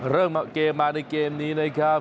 เริ่มเกมมาในเกมนี้นะครับ